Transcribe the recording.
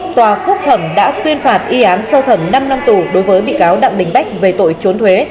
tòa phúc thẩm đã tuyên phạt y án sơ thẩm năm năm tù đối với bị cáo đặng đình bách về tội trốn thuế